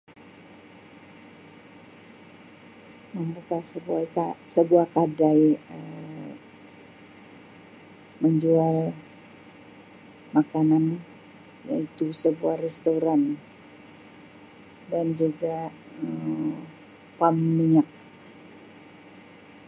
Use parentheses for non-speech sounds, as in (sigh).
Membuka (unintelligible) sebuah kadai menjual makanan iaitu sebuah restoran dan juga Um pam minyak.